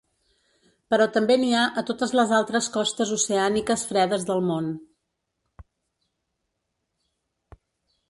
Però també n’hi ha a totes les altres costes oceàniques fredes del món.